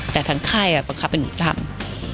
แต่ทั้งค่ายประคับเป็นหนูทำ